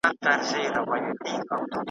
دومره ښه او لوړ آواز وو خدای ورکړی